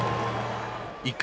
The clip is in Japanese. １回。